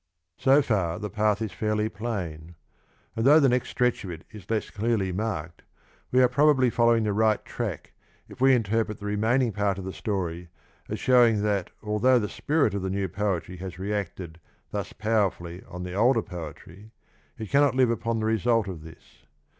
So far the path is fairly plain. And though the next stretch of it is less clearly marked, we are probably following the right track if we interpret the remaining 66 part of the story as showing that although the spirit of the new poetry has reacted thus powerfully on the older poetry, it cannot live upon the result of this.